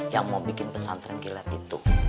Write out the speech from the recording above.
yang mau bikin pesan terenggelat itu